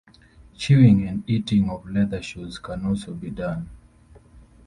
Chewing and eating of leather shoes can also be done.